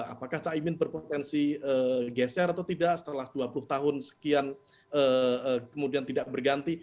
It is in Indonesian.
apakah caimin berpotensi geser atau tidak setelah dua puluh tahun sekian kemudian tidak berganti